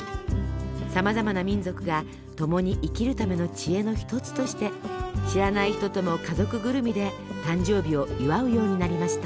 さまざまな民族が共に生きるための知恵の一つとして知らない人とも家族ぐるみで誕生日を祝うようになりました。